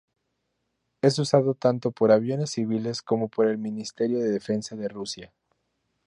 Es usado tanto por aviones civiles como por el Ministerio de Defensa de Rusia.